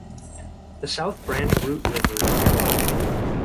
The South Branch Root River is nearby.